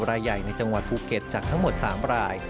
รายใหญ่ในจังหวัดภูเก็ตจากทั้งหมด๓ราย